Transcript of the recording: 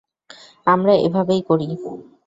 আমরা এভাবেই করি!